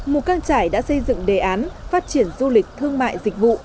mù căng trải đã xây dựng đề án phát triển du lịch thương mại dịch vụ